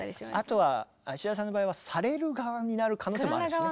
あとは田さんの場合はされる側になる可能性もあるしね。